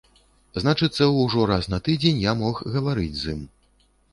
Значыцца, ужо раз на тыдзень я мог гаварыць з ім.